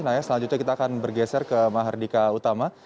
nah ya selanjutnya kita akan bergeser ke mahardika utama